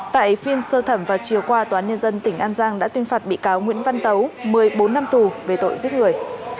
tại phiên sơ thẩm vào chiều qua tòa án nhân dân tỉnh an giang đã tuyên phạt bị cáo nguyễn văn tấu một mươi bốn năm tù về tội giết người